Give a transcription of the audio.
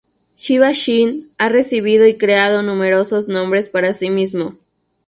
Shiba Shin ha recibido y creado numerosos nombres para sí mismo.